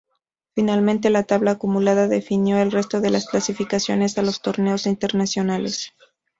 Finalmente la tabla acumulada definió el restó de las clasificaciones a los torneos internacionales.